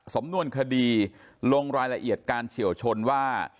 สำนวนคดีลงรายละเอียดการเฉียวชนว่า